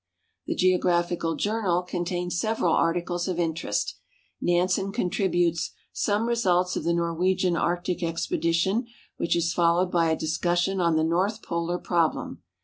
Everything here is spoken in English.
The Geographical Journal contains several articles of interest; Nansen contributes "Some Results of the Norwegian Arctic Expedition," which is followed by a discussion on the North Polar problem.